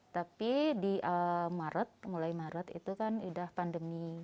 tapi di maret mulai maret itu kan sudah pandemi